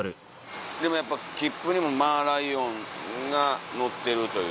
でもやっぱ切符にもマーライオンが載ってるという。